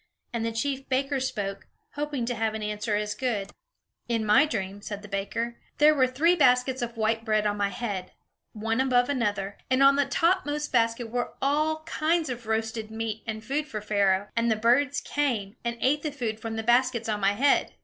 And the chief baker spoke, hoping to have an answer as good: "In my dream," said the baker, "there were three baskets of white bread on my head, one above another, and on the topmost basket were all kinds of roasted meat and food for Pharaoh; and the birds came, and ate the food from the baskets on my head."